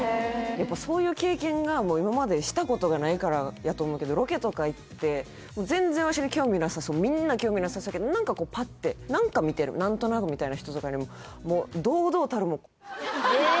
やっぱそういう経験が今までしたことがないからやと思うけどロケとか行って全然わしに興味なさそうみんな興味なさそうやけど何かこうパッて何か見てる何となくみたいな人とかにももうええ！